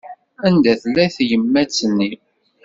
Anda tella tyemmat-nni?